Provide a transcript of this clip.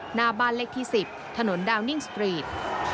หน้าบ้านเลขที่๑๐ถนนดาวนิ่งสตรีท